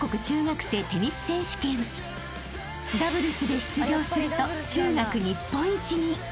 ［ダブルスで出場すると中学日本一に］